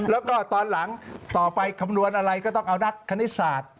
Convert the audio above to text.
แล้วก็ตอนหลังต่อไปคำนวณอะไรก็ต้องเอานักคณิตศาสตร์